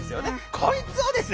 こいつをですね